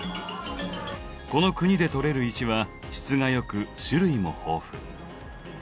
この国で採れる石は質が良く種類も豊富。